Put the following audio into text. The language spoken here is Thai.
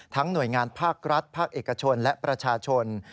หน่วยงานภาครัฐภาคเอกชนและประชาชน